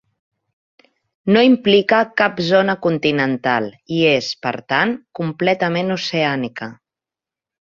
No implica cap zona continental i és, per tant, completament oceànica.